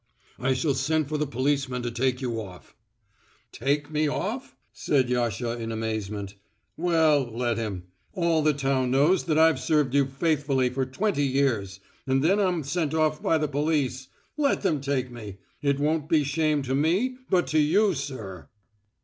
"I shall send for the policeman to take you off." "Take me off," said Yasha in amazement. "Well, let him. All the town knows that I've served you faithfully for twenty years, and then I'm sent off by the police. Let them take me. It won't be shame to me but to you, sir!"